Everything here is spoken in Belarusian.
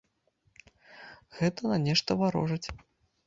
Гэта на нешта варожыць.